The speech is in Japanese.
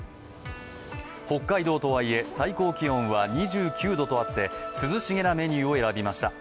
北海道とはいえ、最高気温は２９度とあって、涼しげなメニューを選びました。